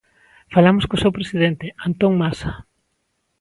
Falamos co seu presidente, Antón Masa.